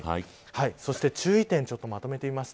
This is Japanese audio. そして注意点をまとめてみました。